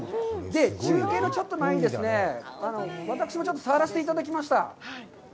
中継のちょっと前にですね、私もちょっと触らせていただきました。